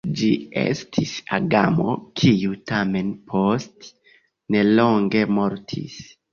Ĝi estis agamo, kiu tamen post nelonge mortis.